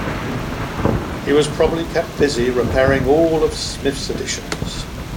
He was probably kept busy repairing all of Smith's additions.